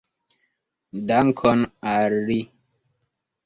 Dankon al li!